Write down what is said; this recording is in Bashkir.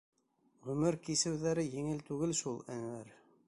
— Ғүмер кисеүҙәре еңел түгел шул, Әнүәр.